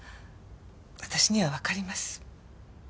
私にはわかります。